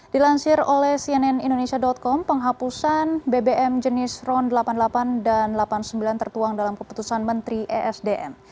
dilansir oleh cnn indonesia com penghapusan bbm jenis ron delapan puluh delapan dan delapan puluh sembilan tertuang dalam keputusan menteri esdm